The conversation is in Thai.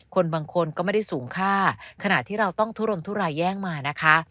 คนบางคนก็ไม่ได้สูงค่าขณะที่เราต้องทุรนทุรายแย่งมานะคะ